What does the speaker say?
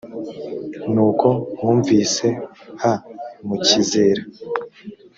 nuko mwumvise h mukizera